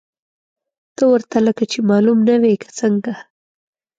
ته ورته لکه چې معلوم نه وې، که څنګه!؟